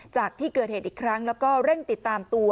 จากที่เกิดเหตุอีกครั้งแล้วก็เร่งติดตามตัว